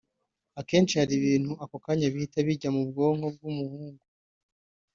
akenshi hari ibintu ako kanya bihita bijya mu bwonko bw’umuhungu